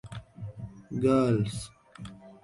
Girls!